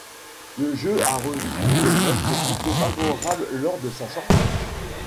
Le jeu a reçu des notes plutôt favorables lors de sa sortie.